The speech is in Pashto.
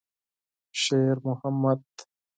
شېرمحمد.